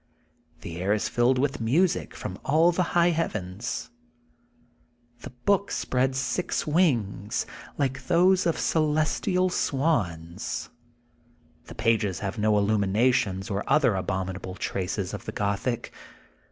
The air 5s filled with music from all the high heavens. THE GOLDEN BOOK OF SPRINGFIELD 86 The book spreads six wings, like those of celestial swans. The pages have no illnmina tions or other abominable traces of the Gothic.